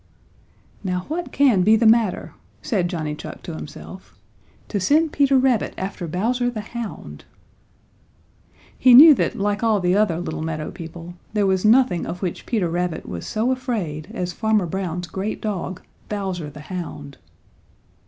"Now what can be the matter?" said Johnny Chuck to himself, "to send Peter Rabbit after Bowser the Hound?" He knew that, like all the other little meadow people, there was nothing of which Peter Rabbit was so afraid as Farmer Brown's great dog, Bowser the Hound.